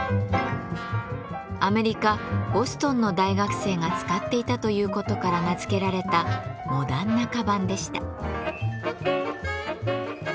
アメリカ・ボストンの大学生が使っていたという事から名付けられたモダンな鞄でした。